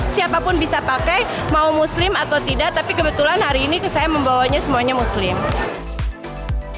siapapun bisa pakai mau muslim atau tidak tapi kebetulan hari ini saya membawanya semuanya muslim